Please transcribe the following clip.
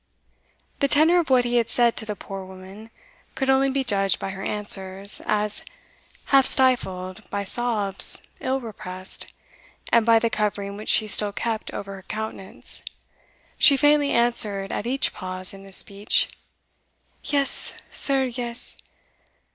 The tenor of what he had said to the poor woman could only be judged by her answers, as, half stifled by sobs ill repressed, and by the covering which she still kept over her countenance, she faintly answered at each pause in his speech "Yes, sir, yes!